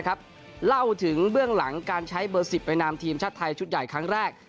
เล่าถึงเบื้องหลังการใช้เบอร์๑๐ในนามทีมชาติไทยชุดใหญ่ครั้งแรก